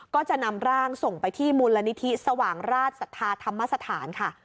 ก็จะนำร่างส่งไปที่มูลนิธิสว่างราชศรัทธาธรรมสถานค่ะ